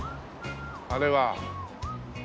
あれは。